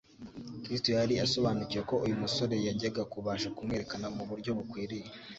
Kristo yari asobanukiwe ko uyu musore yajyaga kubasha kumwerekana mu buryo bukwiriye.